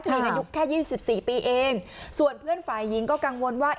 ในอายุแค่ยี่สิบสี่ปีเองส่วนเพื่อนฝ่ายยิงก็กังวลว่า